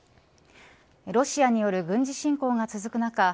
ロシアによる軍事侵攻が続く中